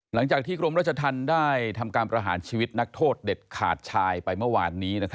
หลังจากที่กรมราชธรรมได้ทำการประหารชีวิตนักโทษเด็ดขาดชายไปเมื่อวานนี้